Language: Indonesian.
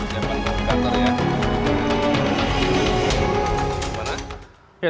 pertemuan iryawan dengan pak novel baswedan